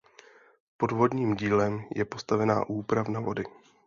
Pod vodním dílem je postavena úpravna vody.